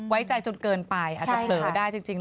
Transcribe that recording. ไว้ใจจนเกินไปอาจจะเผลอได้จริง